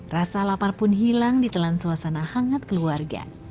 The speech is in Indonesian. rasa lapar pun hilang ditelan suasana hangat keluarga